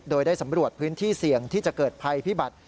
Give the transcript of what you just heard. โดยได้สำรวจพื้นที่เสี่ยงที่จะเกิดภัยพิบัติ